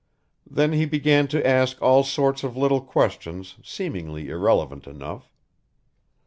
Then he began to ask all sorts of little questions seemingly irrelevant enough.